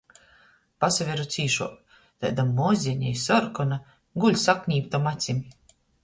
Pasaveru cīšuok — taida mozeņa i sorkona, guļ saknīptom acim...